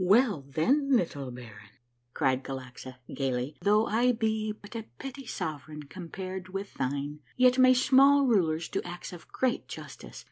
"Well, then, little baron," cried Galaxa gayly, "though I be but a petty sovereign compared with thine, yet may small rulers do acts of great justice.